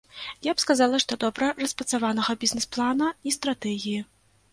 Я б сказала, што добра распрацаванага бізнэс-плана і стратэгіі.